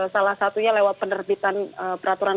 salah satunya lewat penerbitan peraturan